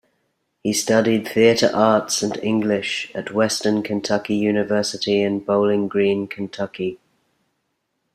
He studied Theatre Arts and English at Western Kentucky University in Bowling Green, Kentucky.